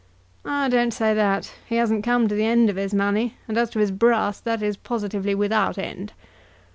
"I don't say that. He hasn't come to the end of his money, and as to his brass that is positively without end."